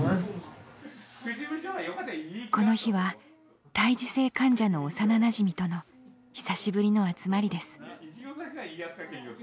この日は胎児性患者の幼なじみとの久しぶりの集まりです。